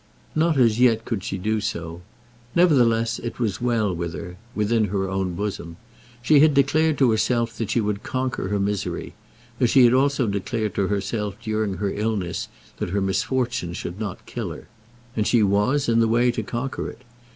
Not as yet could she do so. Nevertheless it was well with her, within her own bosom. She had declared to herself that she would conquer her misery, as she had also declared to herself during her illness that her misfortune should not kill her, and she was in the way to conquer it.